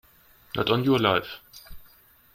Not on your life!